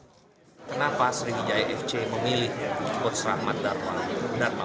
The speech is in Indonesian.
kenapa sriwijaya fc memilih coach rahmat darman